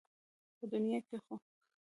په دنيا کې خو